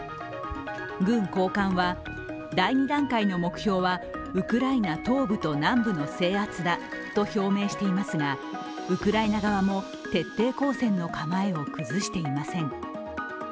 軍高官は、第２段階の目標はウクライナ東部と南部の制圧だと表明していますがウクライナ側も徹底抗戦の構えを崩していません。